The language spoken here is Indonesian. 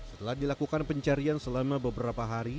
setelah dilakukan pencarian selama beberapa hari